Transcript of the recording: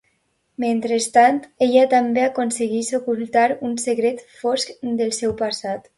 Mentrestant, ella també aconsegueix ocultar un secret fosc del seu passat.